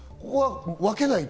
分けないと。